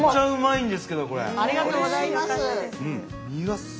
・ありがとうございます。